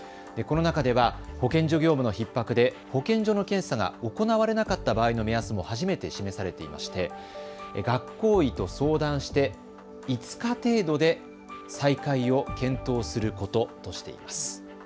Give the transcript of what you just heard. この中では保健所業務のひっ迫で保健所の検査が行われなかった場合の目安も初めて示されていまして学校医と相談して５日程度で再開を検討することとしています。